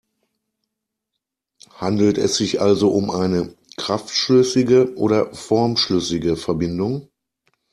Handelt es sich also um eine kraftschlüssige oder formschlüssige Verbindung?